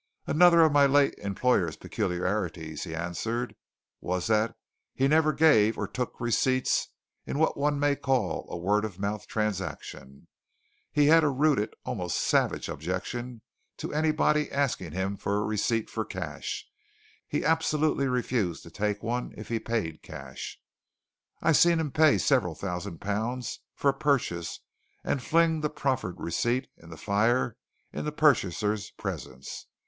"Another of my late employer's peculiarities," he answered, "was that he never gave or took receipts in what one may call word of mouth transactions! He had a rooted almost savage objection to anybody asking him for a receipt for cash; he absolutely refused to take one if he paid cash. I've seen him pay several thousand pounds for a purchase and fling the proffered receipt in the fire in the purchaser's presence.